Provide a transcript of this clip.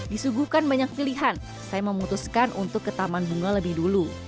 disuguhkan banyak pilihan saya memutuskan untuk ke taman bunga lebih dulu